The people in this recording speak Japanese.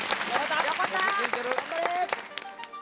頑張れ！